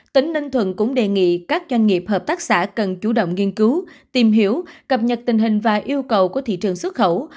tỉnh ninh thuận cũng đề nghị các doanh nghiệp hợp tác xã cần chủ động nghiên cứu tìm hiểu cập nhật tình hình và yêu cầu của thị trường xuất khẩu